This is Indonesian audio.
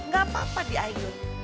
gak apa apa di air